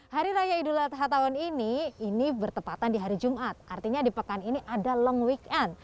hari raya idul adha tahun ini ini bertepatan di hari jumat artinya di pekan ini ada long weekend